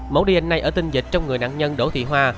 mẫu dh ở tinh dịch trong người nạn nhân đỗ thị hoa